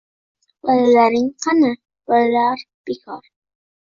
Bolalaring qani, bolalar… bekor